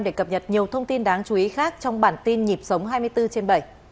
để cập nhật nhiều thông tin đáng chú ý khác trong bản tin nhịp sống hai mươi bốn trên bảy